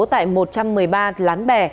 tại một trăm một mươi ba lán bè